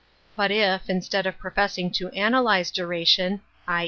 But if, instead of professing to analyze duration (i.